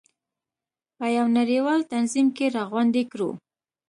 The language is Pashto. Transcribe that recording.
په یو نړیوال تنظیم کې راغونډې کړو.